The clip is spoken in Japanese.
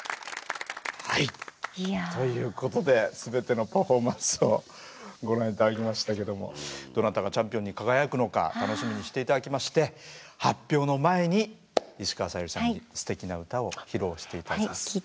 ということで全てのパフォーマンスをご覧頂きましたけどもどなたがチャンピオンに輝くのか楽しみにして頂きまして発表の前に石川さゆりさんにすてきな歌を披露して頂きます。